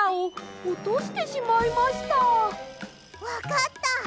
わかった！